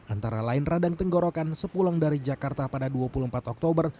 antara lain radang tenggorokan sepulang dari jakarta pada dua puluh empat oktober